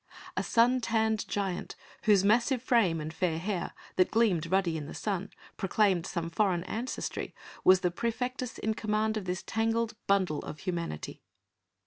A sun tanned giant whose massive frame and fair hair, that gleamed ruddy in the sun, proclaimed some foreign ancestry was the praefectus in command of this tangled bundle of humanity.